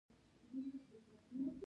تا ډير ښه وي